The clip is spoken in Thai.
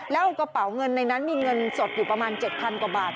แล้วกระเป๋าเงินในนั้นมีเงินสดอยู่ประมาณ๗๐๐กว่าบาท